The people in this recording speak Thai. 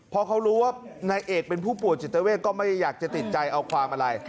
พอเขารู้ว่านายเอกเป็นผู้ป่วยจิตเวทก็ไม่ได้อยากจะติดใจเอาความอะไร